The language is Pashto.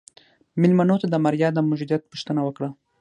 مېلمنو د ماريا د موجوديت پوښتنه وکړه.